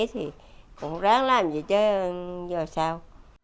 thì cũng ráng làm vậy chứ giờ sao